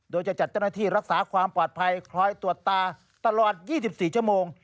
โดยจะจัดเจ้าหน้าที่รักษาความปลอดภัยคอยตรวจตาตลอด๒๔ชั่วโมง